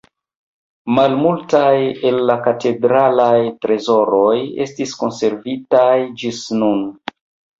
Malmultaj el la katedralaj trezoroj estis konservitaj ĝis nun.